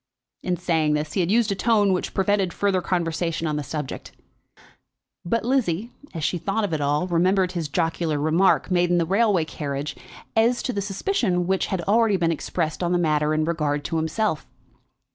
In saying this he had used a tone which prevented further conversation on the subject, but Lizzie, as she thought of it all, remembered his jocular remark, made in the railway carriage, as to the suspicion which had already been expressed on the matter in regard to himself.